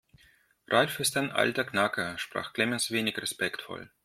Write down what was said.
Ralf ist ein alter Knacker, sprach Clemens wenig respektvoll.